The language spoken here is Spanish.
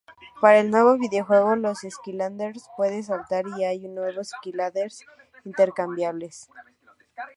Para el nuevo videojuego, los Skylanders pueden saltar, y hay nuevos Skylanders intercambiables.